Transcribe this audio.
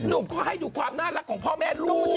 หนุ่มก็ให้ดูความน่ารักของพ่อแม่ลูก